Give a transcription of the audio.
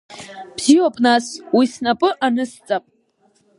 Бзиоуп нас, уи снапы анысҵап.